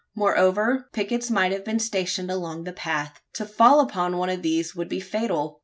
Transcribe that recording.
Moreover, pickets might have been stationed along the path. To fall upon one of these would be fatal.